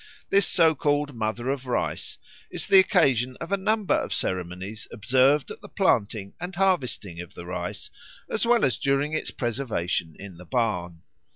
This so called Mother of Rice is the occasion of a number of ceremonies observed at the planting and harvesting of the rice as well as during its preservation in the barn.